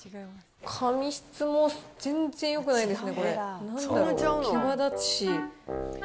紙質も全然よくないですね、これ。